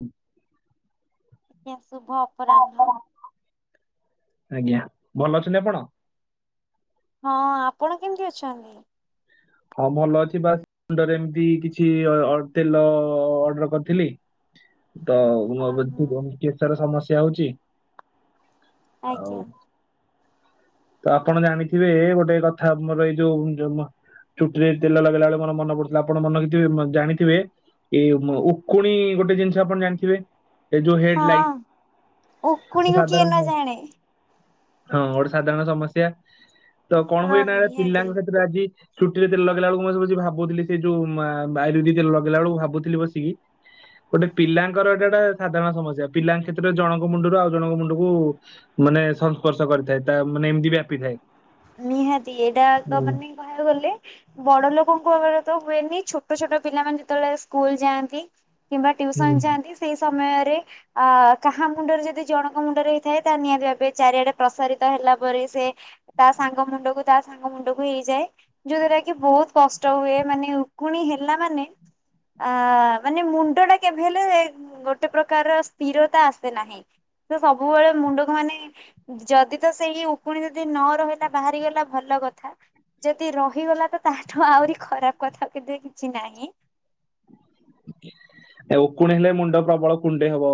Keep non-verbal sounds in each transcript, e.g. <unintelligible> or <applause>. ହୁଁ। ଶୁଭ ଅପରାହ୍ନ। ଆଜ୍ଞା ଭଲ ଅଛନ୍ତି ଆପଣ? ହଁ ଆପଣ କେମିତି ଅଛନ୍ତି? ହଁ ଭଲ ଅଛି ବାସ୍ ମୁଣ୍ଡରେ ଏମିତି କିଛି ଅ-ଅ-ତେଲ ଅ-ଅ-ଅ-ଅର୍ଡର କରିଥିଲି। ତ ଓହୋ <unintelligible> କେଶର ସମସ୍ୟା ହଉଛି। ଆଉ ଆଜ୍ଞା। ତ ଆପଣ ଜାଣିଥିବେ ଗୋଟେ କଥା ଆମର ଏଇ ଯୋଉ ଯଉ ନ ଚୁଟିରେ ତେଲ ଲଗେଇଲା ବେଳେ ମୋର ମନ ପଡୁଥିଲା ଆପଣ ମନେରଖିଥିବେ ଜାଣିଥିବେ ଏଇ ମୁ ଉକୁଣି ଗୋଟେ ଜିନିଷ ଆପଣ ଜାଣିଥିବେ। ଏ ଯୋଉ ହେଡ୍ ହଁ ଲାଇଟ। ଉକୁଣିକୁ କିଏ ସାଧାରଣ ନ ହଁ ଜାଣେ। ଗୋଟେ ସାଧାରଣ ସମସ୍ୟା। ତ କଣ ହଁ ହୁଏନା ନିହାତି ପିଲାଙ୍କ କ୍ଷେତ୍ରରେ ଆଜି ଚୁଟିରେ ତେଲ ଲଗେଇଲା ବେଳକୁ ମୁଁ ଆଜି ବସିକି ଭାବୁଥିଲି। ସେ ଯୋଉ ମା-ଆୟୁର୍ବେଦିକ ତେଲ ଲଗେଇଲା ବେଳକୁ ଭାବୁଥିଲି ବସିକି ଗୋଟେ ପିଲାଙ୍କର ଏଟା ଗୋଟା ସାଧାରଣ ସମସ୍ୟା। ପିଲାଙ୍କ କ୍ଷେତ୍ରରେ ଜଣଙ୍କ ମୁଣ୍ଡରୁ ଆଉ ଜଣଙ୍କ ମୁଣ୍ଡକୁ ମାନେ ସଂସ୍ପର୍ଶ କରିଥାଏ। ତା ମାନେ ଏମିତି ବ୍ୟାପିଥାଏ। ନିହାତି ଏଇଟା ଏକ ହୁଁ ମାନେ ବାହାରୁ ଗଲେ, ବଡ ଲୋକଙ୍କ ଏଗୁରା ତ ହୁଏନି। ଛୋଟ ଛୋଟ ପିଲାମାନେ ଯେତେବେଳେ ସ୍କୁଲ ଯାଆନ୍ତି, କିମ୍ବା ହୁଁ। ଟ୍ୟୁସନ୍ ଯାଆନ୍ତି, ସେଇ ସମୟରେ ଆ କାହା ମୁଣ୍ଡରେ ଯଦି ଜଣଙ୍କ ମୁଣ୍ଡରେ ହେଇଥାଏ, ତା ନିହାତି ଭାବେ ଚାରିଆଡେ ପ୍ରସାରିତ ହେଲା ପରେ ସେ ତା ସାଙ୍ଗ ମୁଣ୍ଡକୁ ତା ସାଙ୍ଗ ମୁଣ୍ଡକୁ ହେଇଯାଏ। ଯୋଉ ଗୁରା କି ବହୁତ କଷ୍ଟ ହୁଏ। ମାନେ ଉକୁଣୀ ହେଲା ମାନେ ଆ ମାନେ ମୁଣ୍ଡ ଟା କେବେ ହେଲେ ଗୋଟେ ପ୍ରକାର ସ୍ଥିରତା ଆସେ ନାହିଁ। ତ ସବୁବେଳେ ମୁଣ୍ଡକୁ ମାନେ ଯଦି ତ ସେଇ ଉକୁଣି ଯଦି ନ ହୁଏ ତ ବାହାରି ଗଲା ଭଲ କଥା। ଯଦି ରହିଗଲା ତ, ତା ଠୁ ଆହୁରି ଖରାପ କଥା ବୋଧେ କିଛି ନାହିଁ। ଆଉ ଉକୁଣୀ ହେଲେ ମୁଣ୍ଡ ପ୍ରବଳ କୁଣ୍ଡେଇ ହବ।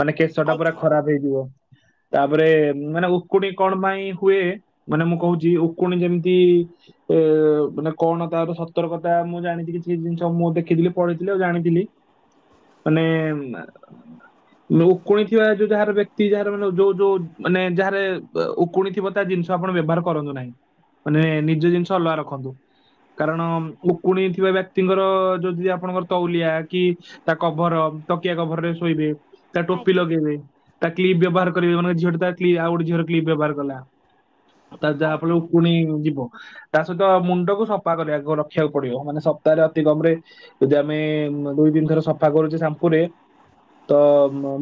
ମାନେ କେଶଟା ପୁରା ଆଜ୍ଞା ଖରାପ ହେଇଯିବ। ତାପରେ ମାନେ ଉକୁଣୀ କଣ ପାଇଁ ହୁଏ, ମାନେ ମୁଁ କହୁଛି ଉକୁଣି କେମିତି ଏ ମାନେ କଣ ତାର ସତର୍କତା, ମୁଁ ଜାଣିଛି କିଛି ଜିନିଷ ମୁଁ ଦେଖିଥିଲି ପଢିଥି ଲି ଜାଣିଥିଲି ମାନେ ଉକୁଣୀ ଥିବା ଯୋଉ ଯାହାର ବ୍ୟକ୍ତି, ଯାହାର ମାନେ ଯୋଉ ଯୋଉ ମାନେ ଯାହାର ଉ ଉକୁଣୀ ଥିବ ତା ଜିନିଷ ଆପଣ ବ୍ୟବହାର କରନ୍ତୁ ନାହିଁ। ମାନେ ନିଜ ଜିନିଷ ଅଲଗା ରଖନ୍ତୁ। କାରଣ ଉକୁଣୀ ଥିବା ବ୍ୟକ୍ତିଙ୍କର ଯଦି ଆପଣଙ୍କର ତଉଳିଆ କି ତା କଭର ତକିଆ କଭରରେ ଶୋଇବେ, ତା ଟୋପି ଆଜ୍ଞା ଲଗେଇବେ, ତା କ୍ଲିପ୍ ବ୍ୟବହାର କରିବେ। ମାନେ ଝିଅଟେ ତା କ୍ଲି ଆଉ ଗୋଟେ ଝିଅର କ୍ଲିପ୍ ବ୍ୟବହାର କଲା। ତା ଯାହା ଫଳରେ ଆଜ୍ଞା ଉକୁଣୀ ଯିବ। ତା ସହିତ ମୁଣ୍ଡକୁ ସଫା କରିବାକୁ, ରଖିବାକୁ ପଡିବ। ମାନେ ସପ୍ତାହରେ ଅତି କମ୍ ରେ ମାନେ ଦୁଇ, ତିନି ଥର ସଫା କରୁଛେ ସାମ୍ପୁ ରେ ତ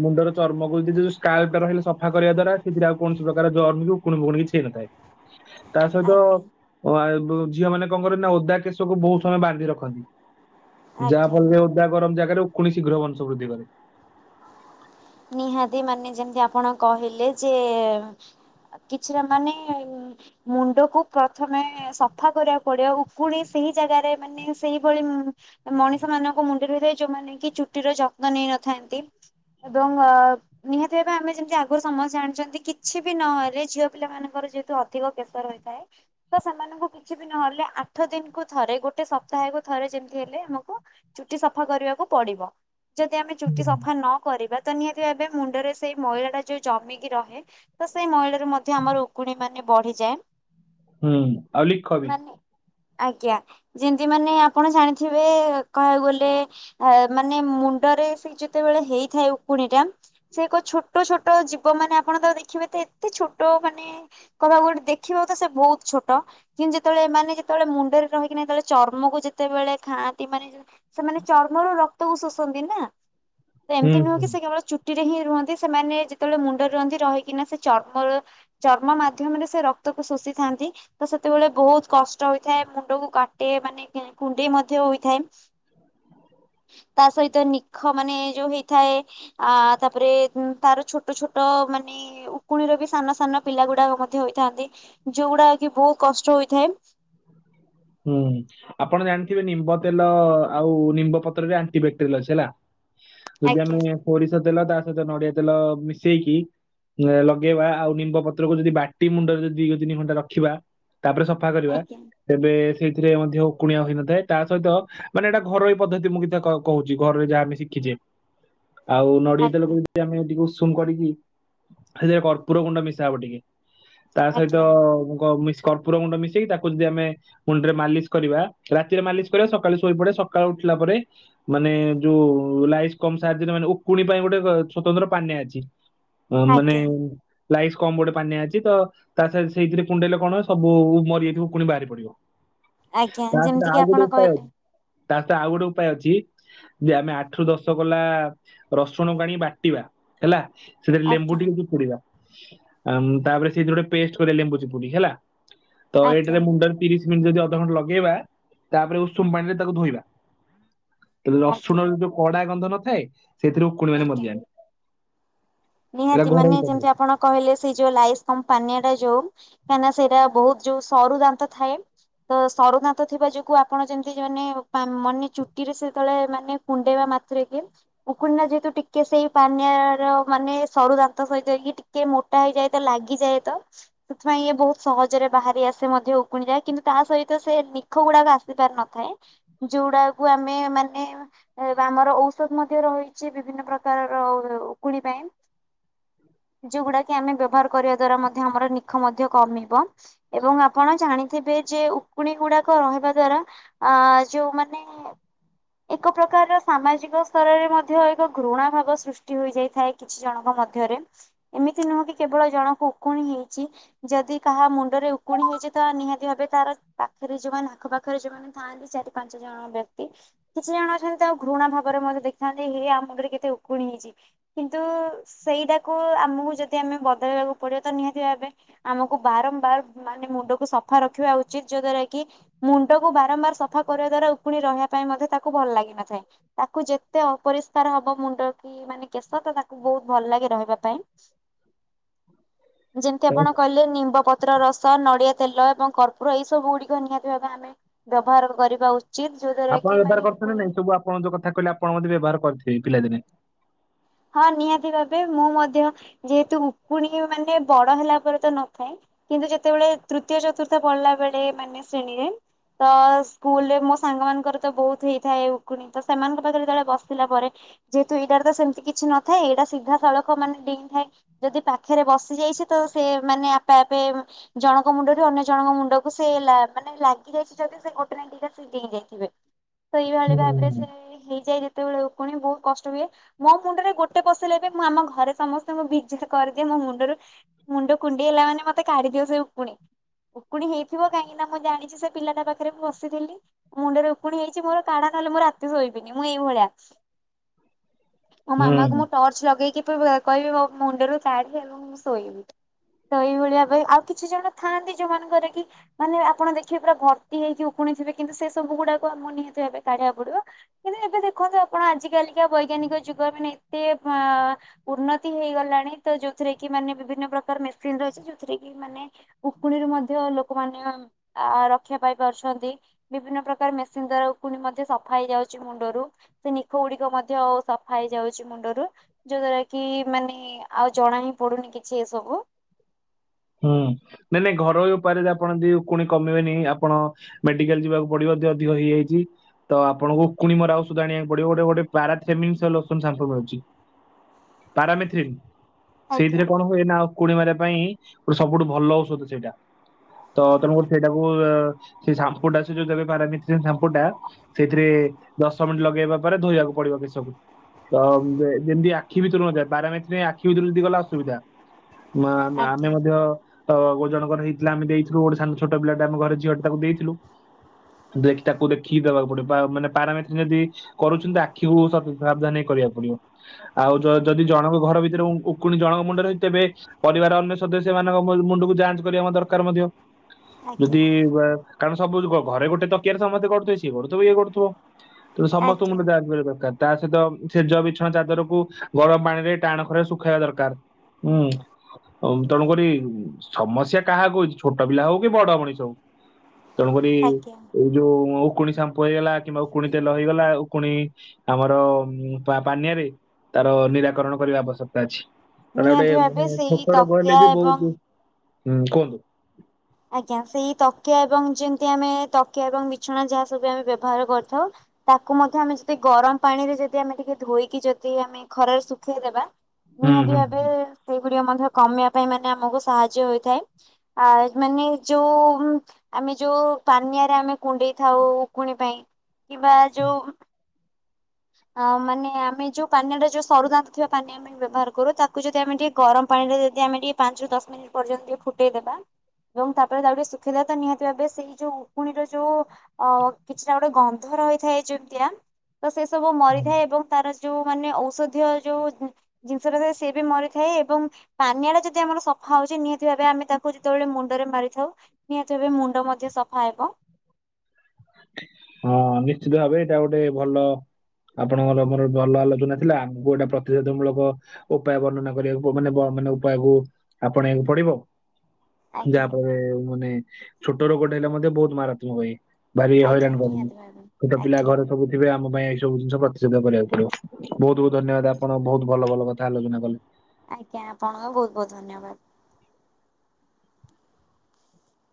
ମୁଣ୍ଡର ଚର୍ମକୁ ଯି ଯୋଉ ସ୍କାଲଟା ରହିଲେ ସଫା କରିବା ଦ୍ଵାରା, ସେଥିରେ ଆଉ କୌଣସି ପ୍ରକାର ଜର୍ମକୁ ଉକୁଣୀ ଫୁକୁଣୀ କିଛି ହେଇନଥାଏ। ତା ସହିତ ଆଜ୍ଞା ଓ-ବ ଝିଅ ମାନେ କଣ କରନ୍ତି ନା ଓଦା କେଶକୁ ବହୁତ ସମୟ ବାନ୍ଧି ରଖନ୍ତି। ଯାହା ଆଜ୍ଞା। ଫଳରେ ଓଦା ଗରମ ଜାଗାରେ ଉକୁଣୀ ଶୀଘ୍ର ବଂଶ ବୃଦ୍ଧି କରେ। ନିହାତି ମାନେ ଯେମିତି ଆପଣ କହିଲେ ଯେ କିଛିଟା ମାନେ ମୁଣ୍ଡକୁ ପ୍ରଥମେ ସଫା କରିବାକୁ ପଡିବ। ଉକୁଣୀ ସେହି ଜାଗାରେ ମାନେ ସେଇଭଳି ମଣିଷ ମାନଙ୍କ ମୁଣ୍ଡରେ ଯୋଉମାନେ କି ଚୁଟିର ଯତ୍ନ ନେଇନଥାନ୍ତି। <unintelligible> ନିହାତି ଭାବେ ଆମେ ଯେମିତି ଆଗରୁ ସମସ୍ତେ ଜାଣିଛନ୍ତି, କିଛି ବି ନହେଲେ ଝିଅ ପିଲା ମାନଙ୍କର ଯେହେତୁ ଅଧି ଅଧିକ କେଶ ରହିଥାଏ। ତ ସେମାନଙ୍କୁ କିଛି ବି ନହେଲେ ଆଠ ଦିନକୁ ଥରେ, ଗୋଟେ ସପ୍ତାହକୁ ଥରେ ଯେମିତି ହେଲେ ଆମକୁ ଚୁଟି ସଫା କରିବାକୁ ପଡିବ। ଯଦି ଆମେ ଚୁଟି ସଫା ନ କରିବା ତ ନିହାତି ଭାବେ ମୁଣ୍ଡରେ ସେଇ ମଇଳା ଟା ଯୋଉ ଜମିକି ରହେ ତ ସେଇ ମଇଳାରୁ ମଧ୍ୟ ଆମର ଉକୁଣୀ ମାନେ ବଢିଯାଏ। ହୁଁ। ଆଉ ଲିଖ ବି। ମାନେ ଆଜ୍ଞା। ଯେମତି ମାନେ ଆପଣ ଜାଣିଥିବେ କହିବାକୁ ଗଲେ ଆ ମାନେ ମୁଣ୍ଡରେ ସେ ଯେତେବେଳେ ହେଇ ଥାଏ। ଉକୁଣି ଟା ସେ ଏକ ଛୋଟ ଛୋଟ ଜୀବ ମାନେ ଆପଣ ତା ଦେଖିବେ ତ ଏତେ ଛୋଟ ମାନେ କହିବାକୁ ଗୋଟେ ଦେଖିବାକୁ ତ ସେ ବହୁତ ଛୋଟ। କିନ୍ତୁ ଯେତେବେଳେ ଏ ମାନେ ଯେତେବେଳେ ମୁଣ୍ଡରେ ରହିକି ଯେତେବେଳେ ଚର୍ମକୁ ଯେତେବେଳେ ଖାଆନ୍ତି ମାନେ ସେମାନେ ଚର୍ମର ରକ୍ତକୁ ଶୋଷନ୍ତି ନା? ତ ହୁଁ ଏମିତି ନୁହେଁ ହୁଁ। କି ସେ କେବଳ ଚୁଟିରେ ହିଁ ରୁହନ୍ତି ସେମାନେ ଯେତେବେଳେ ମୁଣ୍ଡରେ ରୁହନ୍ତି ରହିକିନା ସେ ଚର୍ମର ଚର୍ମ ମାଧ୍ୟମରେ ସେ ରକ୍ତକୁ ଶୋଷିଥାନ୍ତି। ତ ସେତେବେଳେ ବହୁତ କଷ୍ଟ ହୋଇଥାଏ ମୁଣ୍ଡକୁ କାଟେ ମାନେ କୁଣ୍ଡେଇ ମଧ୍ୟ ହୋଇଥାଏ। ହ। ତା ସହିତ ନିଖ ମାନେ ଯୋଉ ହେଇ ଥାଏ ଆ ତାପରେ ତାର ଛୋଟ ଛୋଟ ମାନେ ଉକୁଣୀର ବି ସାନ ସାନ ପିଲା ଗୁଡାକ ମଧ୍ୟ ହୋଇଥାନ୍ତି। ଯୋଉଗୁଡାକ ବହୁତ କଷ୍ଟ ହୋଇଥାଏ। ହୁଁ ଆପଣ ଜାଣିଥିବେ ନିମ୍ବ ତେଲ ଆଉ ନିମ୍ବ ପତ୍ରରେ ଆଣ୍ଟିବାକ୍ଟେରିଲ ଅଛି ହେଲା। ଯଦି ଆଜ୍ଞା ଆମେ ସୋରିଷ ତେଲ ତା ସହିତ ନଡିଆ ତେଲ ମିଶେଇକି ଲଗେଇବା। ଆଉ ନିମ୍ବ ପତ୍ର କୁ ଯଦି ବାଟି ମୁଣ୍ଡରେ ଯଦି ଦି ତିନି ଘଣ୍ଟା ରଖିବା ତାପରେ ସବୁ ସଫା କରିବା ଆଜ୍ଞା ତେବେ ସେଇଥିରେ ମଧ୍ୟ ଉକୁଣୀ ଆଉ ହୋଇନଥାଏ। ତା ସହିତ ମାନେ ଏଇଟା ଘରୋଇ ପଦ୍ଧତି ମୁଁ କି କହୁଛି। ଘରୋଇ ଯାହା ଆମେ ଶିଖିଛେ ଆଉ ନଡିଆ ଆଜ୍ଞା ତେଲକୁ ଆମେ ଉସୁୁମ କରିକି ସେଥିରେ କର୍ପୁର ଗୁଣ୍ଡ ମିଶା ହବ ଟିକେ। ତା ସହିତ ଆଜ୍ଞା। କର୍ପୁର ଗୁଣ୍ଡ ମିଶେଇକି ତାକୁ ଯଦି ଆମେ ମୁଣ୍ଡରେ ମାଲିସ କରିବା ରାତିରେ ମାଲିସ କରିବା ସକାଳୁ ସୋଇପଡ଼ିଆ ସକାଳୁ ଉଠିଲା ପରେ ମାନେ ଯୋଉ ଲାଇସ କମ ସାହାଯ୍ୟରେ ମାନେ ଉକୁଣୀ ପାଇଁ ଗୋଟେ ସ୍ଵତନ୍ତ୍ର ପାନୀୟ ଅଛି। ଅ ମାନେ ଆଜ୍ଞା ଲାଇସ କମ ଗୋଟେ ପାନିଆ ଅଛି ତ ତା ସହିତ ସେଇଥିରେ କୁଣ୍ଡେଇଲେ କଣ ସବୁ ମରିଯାଇଥିବ ଉକୁଣୀ ବାହାରି ପଡିବ। ଆଜ୍ଞା ତା ଯେମିତି ସହିତ କିି ଆଉ ଆପଣ ଗୋଟେ ଉପାୟ କହିଲେ ଅଛି ତା ସହିତ ଆଉ ଗୋଟେ ଉପାୟ ଅଛି ଯେ ଆମେ ଆଠ ରୁ ଦଶ କଲା ରସୁଣକୁ ଆଣି ବାଟିବା। ହେଲା ସେଥିରେ ଲେମ୍ବୁ ଆଜ୍ଞା ଟିକେ ଚିପୁଡ଼ିବା। ତାପରେ ସେଇଟି ଗୋଟେ ପେଷ୍ଟ କରିବା ଲେମ୍ବୁ ଚିପୁଡିକି ହେଲା। ତ ଆଜ୍ଞା ଏଇଠରେ ମୁଣ୍ଡ ଯଦି ଅଧଘଣ୍ଟ ଲଗେଇବା ତାପରେ ଉଷୁମ ପାଣିରେ ତାକୁ ଧୋଇବା। ତୁ ରସୁଣ ଆଜ୍ଞା ରେ ଯୋଉ କଡା ଗନ୍ଧ ନଥାଏ, ସେଥିରୁ ଉକୁଣୀ ମାନେ ଆଜ୍ଞା। ମରିଯାଆନ୍ତି। ଏଇଟା ନିହାତି ଘରୋଇ ମାନେ ପଦ୍ଧତି ଯେମିତି ଆପଣ କହିଲେ, ସେଇ ଯୋଉ ଲାଇସ୍ କମ ପାନିଆ ଟା ଯୋଉ କାହିଁକି ନା ସେଇଟା ବହୁତ ଯୋଉ ସରୁ ଦାନ୍ତ ଥାଏ ତ ସରୁଦାନ୍ତ ଥିବା ଯୋଗୁଁ ଆପଣ ଯେମିତି ଜନେ ପା ମାନେ ଚୁଟିରେ ସେତେବେଳେ ମାନେ କୁଣ୍ଡେଇବା ମାତ୍ରେକେ ଉକୁଣିଟା ଯେହେତୁ ଟିକେ ସେହି ପାନିଆ ର ମାନେ ସରୁ ଦାନ୍ତ ସହିତ ଇଏ ଟିକେ ମୋଟା ହେଇଯାଏ ତ ଲାଗିଯାଏ ତ ସେଥିପାଇଁ ଇଏ ବହୁତ ସହଜରେ ବାହାରି ଆସେ ମଧ୍ୟ ଉକୁଣି ଜା କିନ୍ତୁ ତା ସହିତ ସେ ନିଖ ଗୁଡାକ ଆସି ପାରି ନଥାଏ ଯୋଉ ଉଡାକୁ ଆମେ ମାନେ ଏବେ ଆମର ଔଷଧ ମଧ୍ୟ ରହିଛି, ବିଭିନ୍ନ ପ୍ରକାରର ଉକୁଣୀ ପାଇଁ। ଯୋଉଗୁଡା କି ଆମେ ବ୍ୟବହାର କରିବା ଦ୍ଵାରା ମଧ୍ୟ ଆମର ନିଖ ମଧ୍ୟ କମିବ ଏବଂ ଆପଣ ଜାଣି ଥିବେ ଯେ ଉକୁଣୀ ଗୁଡାକ ରହିବା ଦ୍ଵାରା ଆ ଯୋଉମାନେ ଏକ ପ୍ରକାରର ସାମାଜିକ ସ୍ତରରେ ମଧ୍ୟ ଏକ ଘୃଣା ଭାବ ସୃଷ୍ଟି ହୋଇଯାଇ ଥାଏ କିଛି ଜଣଙ୍କ ମଧ୍ୟରେ ଏମିତି ନୁହଁ କି କେବଳ ଜଣଙ୍କୁ ଉକୁଣୀ ହେଇଛି ଯଦି କାହା ମୁଣ୍ଡରେ ଉକୁଣି ହୋଇଛି ତ ନିହାତି ଭାବେ ତାର ପାଖରେ ଯୋଉମାନେ ଆଖ ପାାଖରେ ଯୋଉମାନେ ଥାଆନ୍ତି ଚାରି ପାଞ୍ଚ ଜଣ ବ୍ୟକ୍ତି କିଛି ଜଣ ଅଛନ୍ତି ତାଙ୍କୁ ଘୃଣା ଭାବରେ ମଧ୍ୟ ଦେଖନ୍ତି ହେ ହେ ଆ ମୁଣ୍ଡରେ କେତେ ଉକୁଣି ହେଇଚି। କିନ୍ତୁ ସେଇଟାକୁ ଆମକୁ ଯଦି ଆମେ ବଦଳେଇବାକୁ ପଡିବ ତ ନିହାତି ଭାବେ ଆମକୁ ବାରମ୍ବାର ମାନେ ମୁଣ୍ଡକୁ ସଫା ରଖିବା ଉଚିତ ଯୋ ଦ୍ଵାରା କି ମୁଣ୍ଡକୁ ବାରମ୍ବାର ସଫା କରିବା ଦ୍ଵାରା, ଉକୁଣି ରହିବା ପାଇଁ ମଧ୍ୟ ତାକୁ ଭଲ ଲାଗିନଥାଏ। ତାକୁ ଯେତେ ଅପରିଷ୍କାର ହବ ମୁଣ୍ଡ କି ମାନେ କେଶ ତ ତାକୁ ବହୁତ ଭଲ ଲାଗେ ରହିବା ପାଇଁ। ଯେମିତି ତ ଆପଣ କହିଲେ ନିମ୍ବ ପତ୍ର ପତ୍ର ରସ, ନଡ଼ିଆ ତେଲ ଏବଂ କର୍ପୁର ଏଇ ସବୁ ଗୁଡିକ ନିହାତି ଭାବେ ଆମେ ବ୍ୟବହାର କରିବା ଉଚିତ ଚିତ୍ ଯୋ ଦ୍ୱାରା ଆପଣ କି ବ୍ୟବହାର ମାନେ କରୁଛନ୍ତି ନା ଉକୁଣି ନାଇଁ ସବୁ ଆପଣ ଯୋଉ କଥା କହିଲେ ଆପଣ ମଧ୍ଯ ବ୍ୟବହାର କରିଥିବେ ପିଲାଦିନେ? ହଁ, ନିହାତି ଭାବେ ମୁଁ ମଧ୍ୟ ଯେହେତୁ ଉକୁଣି ମାନେ ବଡ ହେଲା ପରେ ତ ନଥାଏ। କିନ୍ତୁ ଯେତେବେଳେ ତୃତୀୟ ଚତୁର୍ଥ ପଢ଼ିଲା ବେଳେ ମାନେ ଶ୍ରେଣୀରେ ତ ସ୍କୁଲରେ ମୋ ସାଙ୍ଗ ମାନଙ୍କର ତ ବହୁତ ହେଇଥାଏ ଉକୁଣୀ, ତ ସେମାନଙ୍କ ପାଖରେ ଯେତେବେଳେ ବସିଥିଲା ପରେ ଯେହେତୁ ଏଇଟାର ତ ସେମିତି କିଛି ନଥାଏ, ଏଇଟା ସିଧା ସଳଖ ମାନେ ଡେଇଁଥାଏ। ଯଦି ପାଖରେ ବସି ଯାଇଛି, ତ ସେ ମାନେ ଆପେ ଆପେ ଜଣଙ୍କ ମୁଣ୍ଡରେ ଅନ୍ୟ ଜଣଙ୍କ ମୁଣ୍ଡକୁ ସେ ଲା ମାନେ ଲାଗି ଯାଇଛି ଯଦି ସେ ଗୋଟେ ନା ଦିଟା ସେ ଡ଼େଇଁ ଯାଇଥିବେ। ସେଇଭାଳି ଭାବରେ ହୁଁ। ସେ ହେଇଯାଏ ଯେତେବେଳେ ଉକୁଣି ବହୁତ କଷ୍ଟ ହୁଏ। ମୋ ମୁଣ୍ଡରେ ଗୋଟେ ପଶିଲେ ବି ମୁଁ ଆମ ଘରେ ସମସ୍ତଙ୍କୁ ବିଯିତି କରିଦିଏ ମୋ ମୁଣ୍ଡରୁ ମୁଣ୍ଡ କୁଣ୍ଡେଇ ହେଲା ମାନେ ମତେ କାଢିଦିଅ ସେ ଉକୁଣି ଉକୁଣି ହେଇଥିବ କାହିଁକି ନା ମୁଁ ଜାଣିଛି ସେ ପିଲାଟା ପାଖରେ ମୁଁ ବସିଥିଲି। ମୁଣ୍ଡରେ ଉକୁଣି ହେଇଛି ମୋର କାଢ଼ ଖାଲି ମୁଁ ରାତି ଶୋଇବିନି ମୁଁ ଏଇଭଳିଆ। ମୋ ମାମାଙ୍କୁ ହୁଁ ମୁଁ ଟର୍ଚ୍ଚ ଲଗେଇକି ପି ବି କହିବି ମୋ ମୁଣ୍ଡରୁ କଢେ ମୁଁ ଶୋଇବି। ତ ଏଇଭଳିଆ ଭାଇ, ଆଉ କିଛି ଜଣ ଥାଆନ୍ତି ଯୋଉମାନଙ୍କ ର କି ମାନେ ଆପଣ ଦେଖିବେ ପୁରା ଭର୍ତ୍ତି ହେଇକି ଉକୁୁଣିଥିବେ କିନ୍ତୁ ସେ ସବୁ ଗୁଡାକ ମୁଁ ନିହାତି ଭାବେ କାଢିବାକୁ ପଡିବ କିନ୍ତୁ ଏବେ ଦେଖନ୍ତୁ ଆପଣ ଆଜି କାଲିକା ବୈଜ୍ଞାନିକ ଯୁଗ ମାନେ ଏତେ ମ ଉନ୍ନତି ହେଇଗଲାଣି ତ ଯୋଉଥିରେ କି ମାନେ ବିଭିନ୍ନ ପ୍ରକାର ମେସିନ ରହିଛି, ଯୋଉଥିରେ କି ମାନେ ଉକୁଣିରୁ ମଧ୍ୟ ଲୋକମାନେ ଆ ରକ୍ଷା ପାଇ ପାରୁଛନ୍ତି। ବିଭିନ୍ନ ପ୍ରକାର ମେସିନ ଦ୍ଵାରା ଉକୁଣି ମଧ୍ୟ ସଫା ହେଇଯାଉଛି ମୁଣ୍ଡରୁ। ସେ ନିଖ ଗୁଡିକ ମଧ୍ୟ ସ ସଫା ହେଇଯାଉଛି ମୁଣ୍ଡରୁ, ଯୋଉ ଦ୍ଵାରା କି ମାନେ ଆଉ ଜଣା ହିଁ ପଡୁନି କିଛି ଏସବୁ। ହୁଁ ନାଇଁ ନାଇଁ ଘରୋଇ ଉପାୟରେ ଆପଣ ଯଦି ଉକୁଣି କମେଇବେନି ଆପଣ ମେଡିକାଲ ଯିବାକୁ ପଡିବ ଜ ଅଧିକ ହେଇଯାଇଛି। ତ ଆପଣଙ୍କୁ ଉକୁଣି ମରା ଔଷଧ ଆଣିଆକୁ ପଡିବ। ଗୋଟେ ଗୋଟେ ପାରାସେମି <inaudible> ଉକୁଣୀ ସାମ୍ପୁ ମିଳୁଛି। ପାରାମେଥିନ୍, ଆଜ୍ଞା ସେଇଥିରେ କଣ ହୁଏ ନା ଉକୁଣି ମାରିବା ପାଇଁ ସବୁଠୁ ଭଲ ଔଷଧ ସେଇଟା। ତ ତମକୁ ସେଇଟାକୁ ସେ ସାମ୍ପୁ ଟା ସେ ଯଉ ଦେବେ ପରମେଥ୍ରିନ ସାମ୍ପୁ ଟା ସେଇଥିରେ ଦଶ ମିନିଟ ଲଗେଇବା ପରେ ଧୋଇବାକୁ ପଡିବ କେଶକୁ। ତ ଯେମିତି ଆଖି ଭିତର କୁ ନଯାଏ, ପାରାମେଥ୍ରିନ ଆଖି ଭିତରକୁ ଯଦି ଗଲା ଅସୁବିଧା ମା ମା ଆଜ୍ଞା ତ ତ ବହୁତ୍ ଜଣଙ୍କର ହେଇଥିଲା ଆମେ ଦେଇଥିଲୁ, ଗୋଟେ ସା ଛୋଟ ପିଲାଟେ ଆମ ଘର ଝିଅଟେ ତାକୁ ଦେଇଥିଲୁ। ଦେଖି ତାକୁ ଦେଖିକି ଦେବାକୁ ପଡିବ ମାନେ ପାରାମେଟ୍ରି ଯଦି କରୁଛନ୍ତି ଆଖିକୁ ସତ ସାବଧାନ ହେଇକି କରିବାକୁ ପଡିବ। ଆଉ ଯଦି ଜଣଙ୍କ ଘର ଭିତରୁ ଉକୁଣି ଜଣଙ୍କ ମୁଣ୍ଡରେ ହୋ ତେବେ ପରିବାର ଅ ସେମାନଙ୍କ ମୁଣ୍ଡକୁ ଯାଞ୍ଚ କରିବା ଦରକାର ମଧ୍ୟ। ଆଜ୍ଞା ଯଦି କାରଣ ସବୁ ଘରେ ଗୋଟେ ତକିଆରେ ସମସ୍ତେ ଗଡୁଥିବେ। ସିଏ ଗଡୁଥିବ ଇଏ ଗଡୁଥିବ। ତ ସମସ୍ତଙ୍କ ଆଜ୍ଞା ମୁଣ୍ଡକୁ ଯାଞ୍ଚ କରିବା ଦରକାର। ତା ସହିତ ସେଜ ବିଛଣା ଚାଦରକୁ ଗରମ ପାଣିରେ ଟାଣ ଖରାରେ ଶୁଖେଇବା ଦରକାର। ହୁଁ ତେଣୁକରି ସମସ୍ୟା କାହାକୁ ଅଛି, ଛୋଟ ପିଲା ହଉ କି ବଡ ମଣିଷ ହଉ ତେଣୁ କରି ଆଜ୍ଞା। ଏଇ ଯୋଉ ଉକୁଣ ସାମ୍ପୁ ହେଇଗଲା କିମ୍ବା ଉକୁଣି ତେଲ ହେଇଗଲା ଉକୁଣି। ଆମର ପା ପାନିଆରେ ତାର ନିରାକରଣ କରିବା ଆବଶ୍ୟକତା ଅଛି। ତାପରେ ଆଉଗଟେ ନିହାତି ଭାବେ ମାନେ ସେଇ ଛୋଟ ରୋଗ ହେଲେ ତକିଆ ବି ବହୁତ ଏବଂ ହଁ କୁହନ୍ତୁ ଆଜ୍ଞା ସେଇ ତକିଆ ଏବଂ ଯେମତି ଆମେ ତକିଆ ଏବଂ ବିଛଣା ଯାହା ସବୁ ଆମେ ବ୍ୟବହାର କରିଥାଉ। ତାକୁ ମଧ୍ୟ ଆମେ ଯଦି ଗରମ ପାଣିରେ ଯଦି ଆମେ ଟିକେ ଧୋଇକି ଯଦି ଆମେ ଖରାରେ ଶୁଖେଇଦବା। ହୁଁ ନିହାତି ହୁଁ ଭାବେ ସେଗୁଡିକ ମଧ୍ୟ କମିବା ପାଇଁ ମାନେ ଆମକୁ ସାହାଯ୍ୟ ହୋଇଥାଏ ଆ ମାନେ ଯୋଉ ଆମେ ଯୋଉ ପାନିଆରେ ଆମେ କୁଣ୍ଡେଇ ଥାଉ ଉକୁଣି ପାଇଁ। କିମ୍ବା ଯୋଉ ଆଉ ମାନେ ଆମେ ଯୋଉ ପାନିଆ ଟା ଯୋଉ ସରୁ ଦାନ୍ତ ଥିବା ପାନିଆ ବ୍ୟବହାର କରୁ ତାକୁ ଯଦି ଆମେ ଟିକେ ଗରମ ପାଣିରେ ଯଦି ଆମେ ଟିକେ ପାଞ୍ଚରୁ ଦଶ ମିନିଟ ପର୍ଯ୍ୟନ୍ତ ଟିକେ ଫୁଟେଇଦବା ଏବଂ ତାପରେ ତାକୁ <unintelligible> ଶୁଖେଇ ଦେବା ନିହାତି ଭାବେ ସେଇ ଯୋଉ ଉକୁଣିର ଯୋଉ ଅ କିଛି ଟା ଗୋଟେ ଗନ୍ଧ ରହିଥାଏ ଯେମିତିଆ ତ ସେ ସବୁ ହୁଁ ମରିଥାଏ ଏବଂ ତାର ଯୋଉ ମାନେ ଔଷଧୀୟ ଯୋଉ ଜିନିଷ ଟା ଥାଏ ସିଏ ବି ମରିଥାଏ ଏବଂ ପାନିଆଟା ଯଦି ଆମର ସଫା ହଉଛି ନିହାତି ଭାବେ ଆମେ ତାକୁ ଯେତେବେଳେ ମୁଣ୍ଡରେ ମାରିଥାଉ। ନିହାତି ଏବେ ମୁଣ୍ଡ ମଧ୍ୟ ସଫା ହେବ। ହଁ ନିଶ୍ଚିତ ଭାବେ ଏଇଟା ଗୋଟେ ଭଲ ଆପଣଙ୍କର ମୋର ଭଲ ଆଲୋଚନା ଥିଲା, ଆମକୁ ଗୋଟେ ପ୍ରତିଷେଧ ମୂଳକ ଉପାୟ ବର୍ଣ୍ଣନା କରିବାକୁ ମାନେ ମାନେ ଉପାୟକୁ ଆପଣେଇବାକୁ ପଡିବ ଆଜ୍ଞା ଯାହାଫଳରେ ମାନେ ଛୋଟ ରୋଗଟ ହେଲେ ମଧ୍ୟ ବହୁତ ମାରାତ୍ମକ ହୁଏ। ଭାରି ଆଜ୍ଞା ହଇରାଣ କରନି ନିହାତି ଭାବେ ଛୋଟ ପିଲା ଆଜ୍ଞା ଘରେ ସବୁ ଥିବ ଆମ ପାଇଁ ଏଇ ସବୁ ଜିନିଷ ପ୍ରତିଶୋଧ କରିବାକୁ ପଡିବ ବହୁତ ବହୁତ ଧନ୍ୟବାଦ, ଆପଣ ବହୁତ ଭଲ ଭଲ କଥା ଆଲୋଚନା କଲେ। ଆଜ୍ଞା ଆପଣଙ୍କୁ ବହୁତ ବହୁତ ଧନ୍ୟବାଦ।